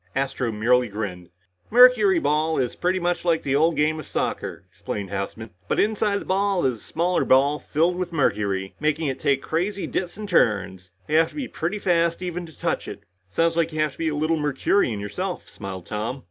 Astro merely grinned. "Mercuryball is pretty much like the old game of soccer," explained Houseman. "But inside the ball is a smaller ball filled with mercury, making it take crazy dips and turns. You have to be pretty fast even to touch it." "Sounds like you have to be a little Mercurian yourself," smiled Tom.